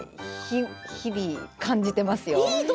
日々感じてますよ。